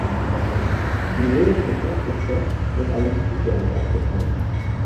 Sie wurde von "Gloucester" mit einer Sea Dart abgefangen.